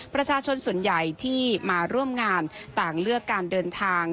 ประชาชนส่วนใหญ่ที่มาร่วมงานต่างเลือกการเดินทาง